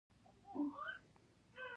کوږ نیت دښمني رامنځته کوي